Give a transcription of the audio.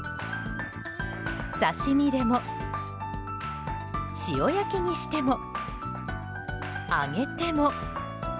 刺し身でも、塩焼きにしても揚げても。